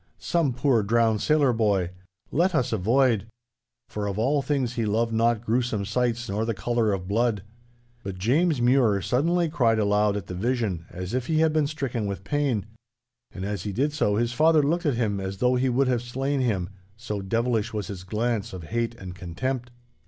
'Some poor drowned sailor boy. Let us avoid!' For of all things he loved not gruesome sights nor the colour of blood. But James Mure suddenly cried aloud at the vision, as if he had been stricken with pain. And as he did so, his father looked at him as though he would have slain him, so devilish was his glance of hate and contempt.